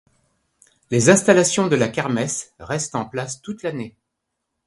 Les installations de la kermesse restent en place toute l'année.